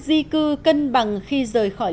di cư cân bằng khi rời khỏi